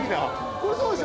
これそうでしょ？